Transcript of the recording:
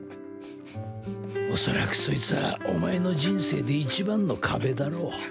おそらくそいつはお前の人生でいちばんの壁だろう。